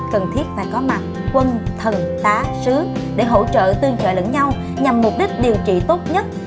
cần thiết phải có mặt quân thần tá sứ để hỗ trợ tương trợ lẫn nhau nhằm mục đích điều trị tốt nhất